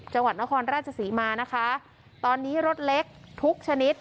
จังหวัดนครราชศรีมานะคะตอนนี้รถเล็กทุกชนิด